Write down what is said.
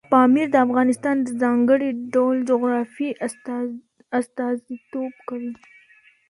پامیر د افغانستان د ځانګړي ډول جغرافیې استازیتوب کوي.